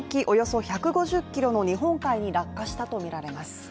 およそ１５０ｋｍの日本海に落下したとみられます。